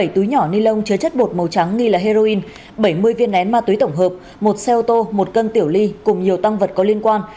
bảy túi nhỏ ni lông chứa chất bột màu trắng nghi là heroin bảy mươi viên nén ma túy tổng hợp một xe ô tô một cân tiểu ly cùng nhiều tăng vật có liên quan